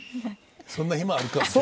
そんな暇あるかと。